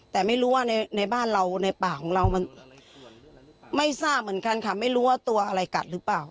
แต่ไม่รู้ว่าในบ้านเราในป่าของเรามันไม่ทราบเหมือนกันค่ะไม่รู้ว่าตัวอะไรกัดหรือเปล่า